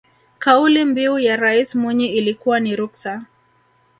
kauli mbiu ya rais mwinyi ilikuwa ni ruksa